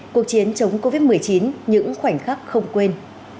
cuộc chiến chống covid một mươi chín những khoảnh khắc không quên